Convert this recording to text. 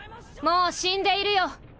もう死んでいるよ。